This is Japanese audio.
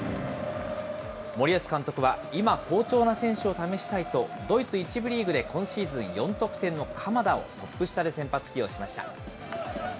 森保監督は、今、好調な選手を試したいと、ドイツ１部リーグで今シーズン４得点の鎌田をトップ下で先発起用しました。